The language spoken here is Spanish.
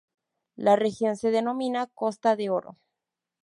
La región se denomina "Costa de Oro".